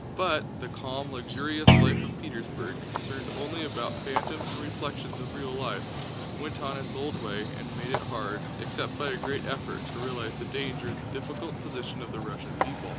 But the calm, luxurious life of Petersburg, concerned only about phantoms and reflections of real life, went on in its old way and made it hard, except by a great effort, to realize the danger and the difficult position of the Russian people.